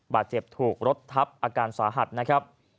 บาดเจ็บถูกรถทับอาการสาหัสนะครับ